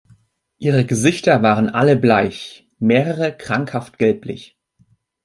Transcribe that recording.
Ihre Gesichter waren alle bleich, mehrere krankhaft gelblich.